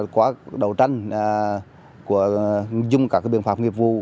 qua đầu tranh dùng các biện pháp nghiệp vụ